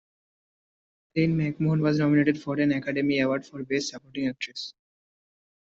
Aline MacMahon was nominated for an Academy Award for Best Supporting Actress.